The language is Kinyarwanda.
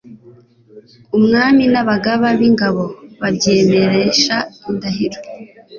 umwami n'abagaba b'ingabo babyemeresha indahiro